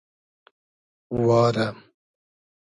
وا رۂ